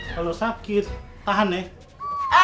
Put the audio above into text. kalau sakit tahan ya